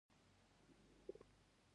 وړښتی غرنی بادام انار نورې غرنۍ ونې دي.